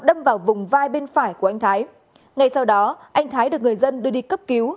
đâm vào vùng vai bên phải của anh thái ngay sau đó anh thái được người dân đưa đi cấp cứu